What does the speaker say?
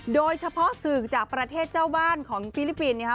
โดยเฉพาะสื่อจากประเทศเจ้าบ้านของฟิลิปปินส์นะคะ